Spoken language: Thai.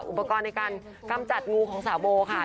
อุปกรณ์ในการกำจัดงูของสาวโบค่ะ